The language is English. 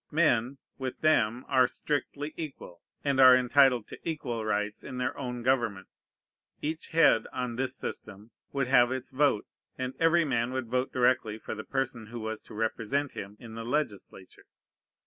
Men, with them, are strictly equal, and are entitled to equal rights in their own government. Each head, on this system, would have its vote, and every man would vote directly for the person who was to represent him in the legislature.